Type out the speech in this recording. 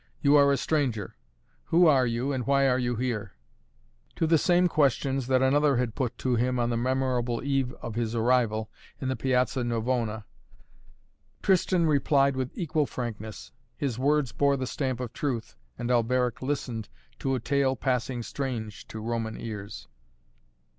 You are a stranger. Who are you and why are you here?" To the same questions that another had put to him on the memorable eve of his arrival, in the Piazza Navona, Tristan replied with equal frankness. His words bore the stamp of truth, and Alberic listened to a tale passing strange to Roman ears.